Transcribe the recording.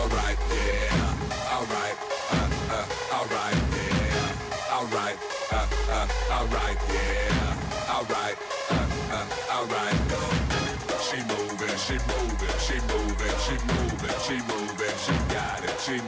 ขอบคุณครับ